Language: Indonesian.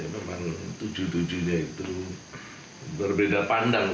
memang tujuh tujuhnya itu berbeda pandang